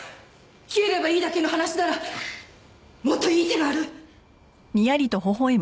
消えればいいだけの話ならもっといい手がある。